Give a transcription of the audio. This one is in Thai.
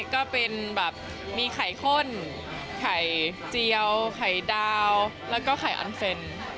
ก็เป็นแบบมีไข่ข้นไข่เจียวไข่ดาวแล้วก็ไข่อันเฟน